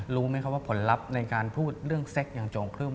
รู้ไหมครับว่าผลลัพธ์ในการพูดเรื่องเซ็กอย่างโจงครึ่